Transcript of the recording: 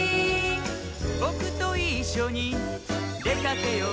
「ぼくといっしょにでかけよう」